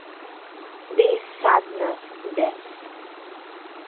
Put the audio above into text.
This sadness, death.